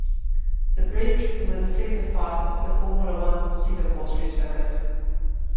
The bridge forms a distinctive part of the Formula One Singapore Street Circuit.